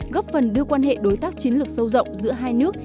góp phần đưa quan hệ đối tác chiến lược sâu rộng giữa hai nước